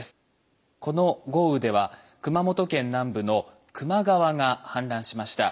この豪雨では熊本県南部の球磨川が氾濫しました。